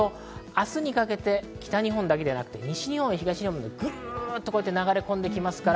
明日にかけて北日本だけでなく、西日本・東日本にぐっと流れ込んできます。